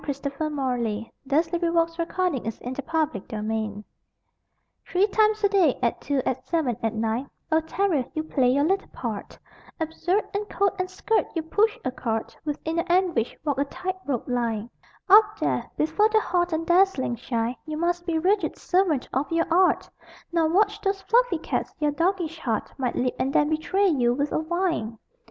D.= TO A VAUDEVILLE TERRIER SEEN ON A LEASH, IN THE PARK Three times a day at two, at seven, at nine O terrier, you play your little part: Absurd in coat and skirt you push a cart, With inner anguish walk a tight rope line. Up there, before the hot and dazzling shine You must be rigid servant of your art, Nor watch those fluffy cats your doggish heart Might leap and then betray you with a whine!